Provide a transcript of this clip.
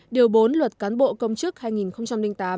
điều bốn luật cán bộ công chức hai nghìn tám